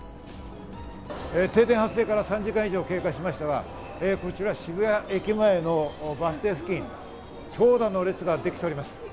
停電発生から３時間以上経過しましたが、こちら渋谷駅前のバス停付近、長蛇の列ができております。